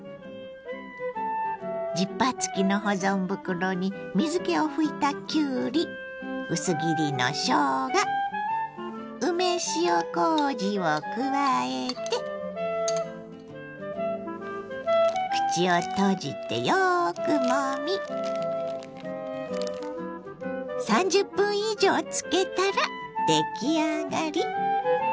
ジッパー付きの保存袋に水けを拭いたきゅうり薄切りのしょうが梅塩こうじを加えて口を閉じてよくもみ３０分以上漬けたら出来上がり。